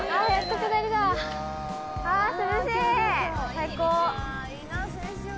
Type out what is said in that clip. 最高！